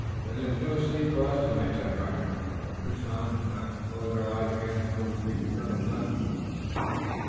"Then there's no sleep for us tonight," said Rogers; "we'll push on and not close our eyes again until we reach Colonel Johnson."